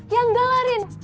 ya enggak arin